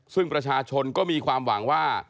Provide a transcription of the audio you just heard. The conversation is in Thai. ซึ่งประชาชนก็มีความหวังว่า